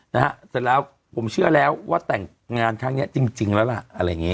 นะฮะเสร็จแล้วผมเชื่อแล้วว่าแต่งงานครั้งเนี้ยจริงแล้วล่ะอะไรอย่างนี้